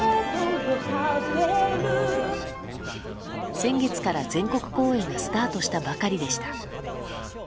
先月から全国公演がスタートしたばかりでした。